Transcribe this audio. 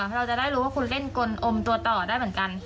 เราจะได้รู้ว่าคุณเล่นกลอมตัวต่อได้เหมือนกัน